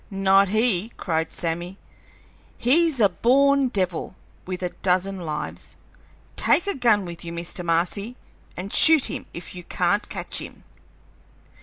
"Not he," cried Sammy. "He's a born devil, with a dozen lives! Take a gun with you, Mr. Marcy, and shoot him if you can't catch him!"